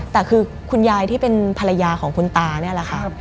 แต่คือคุณยายที่เป็นภรรยาของคุณตานี่แหละค่ะ